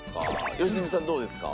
良純さんどうですか？